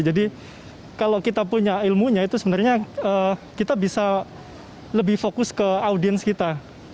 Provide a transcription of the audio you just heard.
jadi kalau kita punya ilmunya itu sebenarnya kita bisa lebih fokus ke audiens kita